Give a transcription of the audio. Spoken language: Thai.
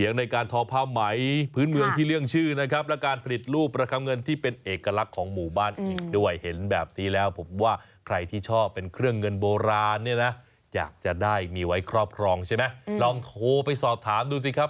อยากจะได้มีไว้ครอบครองใช่ไหมลองโทรไปสอบถามดูสิครับ